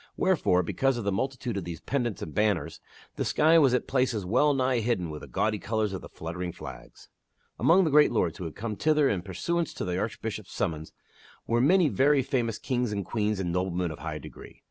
Wherefore,, because of the multitude of these pennants and banners the sky was at places well nigh hidden with the gaudy colors of the fluttering flags. Among the great lords who had come thither in pursuance to the Archbishop's summons were many very famous kings and queens and noblemen of high degree.